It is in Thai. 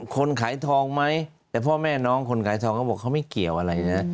คนขายทองไหมแต่พ่อแม่น้องคนขายทองเขาบอกเขาไม่เกี่ยวอะไรนะ